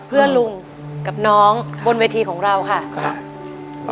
เพื่อลุงกับน้องบนเวทีของเราค่ะครับ